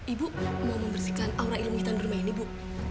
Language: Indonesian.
ibu mau membersihkan aura ilmu hitam di rumah ini bu